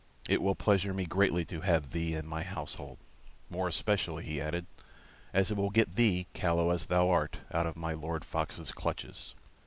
It will pleasure me greatly to have thee in my household; more especially," he added, "as it will get thee, callow as thou art, out of my Lord Fox's clutches.